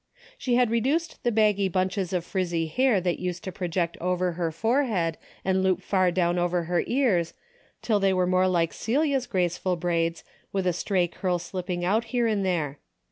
She had reduced the baggy bunches of frizzy hair that used to pro ject over her forehead and loop far down over her ears, till they were more like Celia's grace ful braids with a stray curl slipping out here and there.